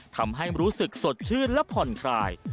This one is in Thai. ทำให้รู้สึกสดชื่นและผ่อนคลาย